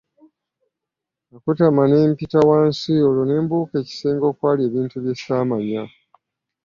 Nakutama ne mpita wansi olwo ne mbuuka ekisenge okwali ebintu bye saamanya.